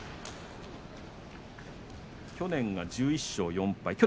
去年が１１勝４敗。